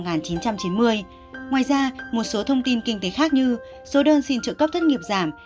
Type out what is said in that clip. ngoài ra một số thông tin kinh tế khác như số đơn xin trợ cấp thất nghiệp giảm